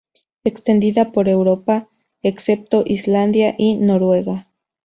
Extendida por Europa, excepto Islandia y Noruega.